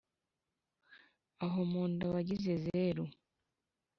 aho mu nda wagize zeru